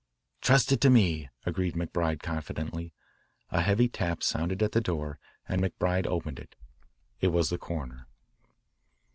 "Trust it to me," agreed McBride confidently. A heavy tap sounded at the door and McBride opened it. It was the coroner.